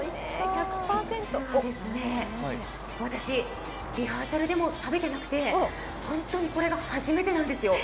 実はですね、私、リハーサルでも食べてなくて、本当にこれが初めてなんですよ。